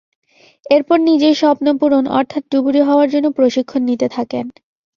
এরপর নিজের স্বপ্ন পূরণ, অর্থাৎ ডুবুরি হওয়ার জন্য প্রশিক্ষণ নিতে থাকেন।